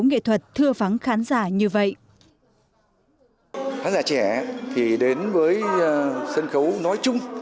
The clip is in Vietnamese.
nghệ thuật thưa vắng khán giả như vậy tác giả trẻ thì đến với sân khấu nói chung